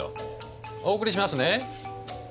お送りしますね。